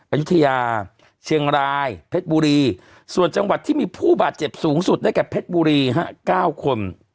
อายุทยาเชียงรายเพชรบุรีส่วนจังหวัดที่มีผู้บาดเจ็บสูงสุดได้แก่เพชรบุรี๙คน